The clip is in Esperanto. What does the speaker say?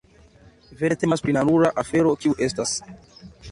Vere temas pri la nura afero, kiu estas.